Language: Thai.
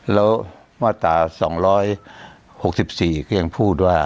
แล้วมาตรา๒๖๔ก็ยังพูดว่า